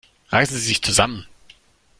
Reißen Sie sich zusammen!